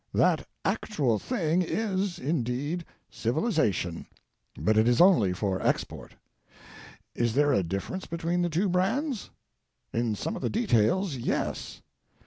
That Actual Thing is, indeed, Civilization, but it is only for Export. Is there a difference between the two brands ? In some of the details, yes.